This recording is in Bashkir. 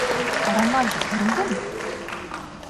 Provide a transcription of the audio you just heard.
Роналду терелдеме?